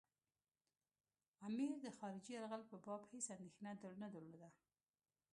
امیر د خارجي یرغل په باب هېڅ اندېښنه نه درلوده.